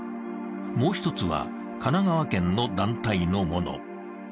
もう一つは神奈川県の団体のもの。